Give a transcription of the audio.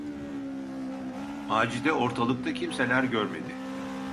Macide ortalıkta kimseler görmedi.